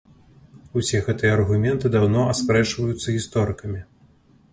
Усе гэтыя аргументы даўно аспрэчваюцца гісторыкамі.